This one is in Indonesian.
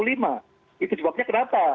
itu sebabnya kenapa